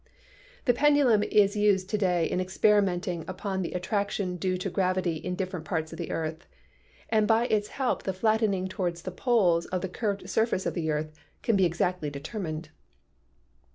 The pendulum is used to day in experimenting upon the attraction due to gravity in different parts of the earth, and by its help the flattening toward the poles of the curved surface of the earth can be exactly determined.